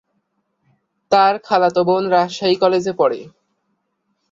তার খালাতো বোন রাজশাহী কলেজে পড়ে।